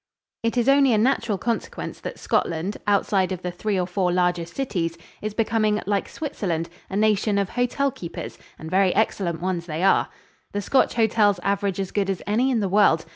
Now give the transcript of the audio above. It is only a natural consequence that Scotland, outside of the three or four largest cities, is becoming, like Switzerland, a nation of hotelkeepers and very excellent ones they are. The Scotch hotels average as good as any in the world.